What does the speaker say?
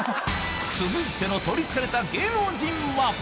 続いての取り憑かれた芸能人は？